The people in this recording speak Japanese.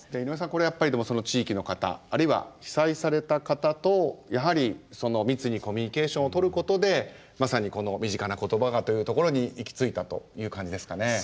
井上さんこれやっぱりその地域の方あるいは被災された方とやはり密にコミュニケーションをとることでまさにこの「身近な言葉が」というところに行き着いたという感じですかね。